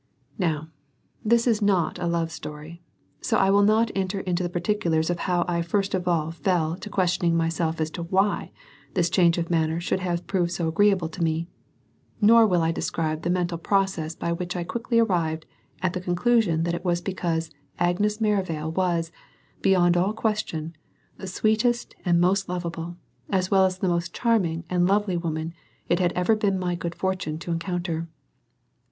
Now, this is not a love story, so I will not enter into the particulars of how I first of all fell to questioning myself as to why this change of manner should have proved so agreeable to me; nor will I describe the mental process by which I quickly arrived at the conclusion that it was because Agnes Merrivale was, beyond all question, the sweetest and most lovable, as well as the most charming and lovely woman it had ever been my good fortune to encounter.